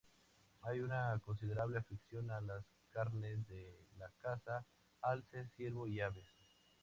Hay una considerable afición a las carnes de la caza: alce, ciervo y aves.